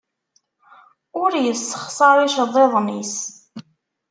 Ur yessexṣar iceḍḍiḍen-nnes.